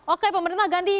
oke pemerintah ganti